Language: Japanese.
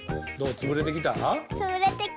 つぶれてきた。